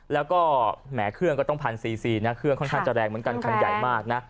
แล้วก็แหมเครื่องก็ต้องพันซีซีนะเครื่องค่อนข้างจะแรงเหมือนกันคันใหญ่มากนะ